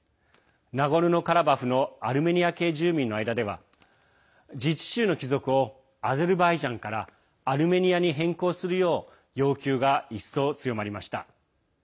ナゴルノカラバフのアルメニア系住民の間では自治州の帰属をアゼルバイジャンからアルメニアに変更するよう要求が一層、強まりました。